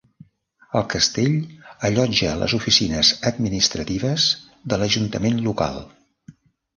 El castell allotja les oficines administratives de l'ajuntament local.